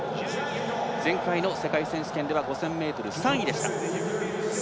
前回の世界選手権では５０００ｍ３位でした。